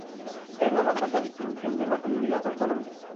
Es la más alta distinción de la comunidad autónoma.